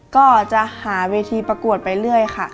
ก็จะหาเวทีประกวดไปเรื่อยค่ะ